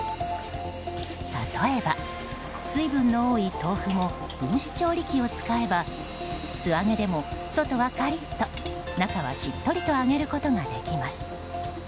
例えば水分の多い豆腐も分子調理器を使えば素揚げでも、外はカリッと中はしっとりと揚げることができます。